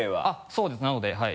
そうですなのではい。